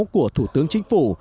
của thủ tướng chính phủ